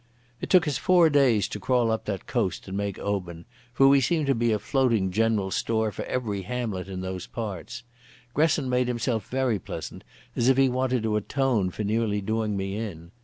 It took us four days to crawl up that coast and make Oban, for we seemed to be a floating general store for every hamlet in those parts. Gresson made himself very pleasant, as if he wanted to atone for nearly doing me in.